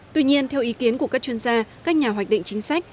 tuy nhiên theo ý kiến của các chuyên gia các nhà hoạch định chính sách